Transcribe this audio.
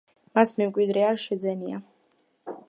მას მემკვიდრე არ შეძენია.